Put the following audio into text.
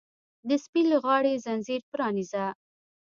د سپي له غاړې ځنځیر پرانیزه!